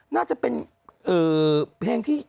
น่าจะเป็นเพลงที่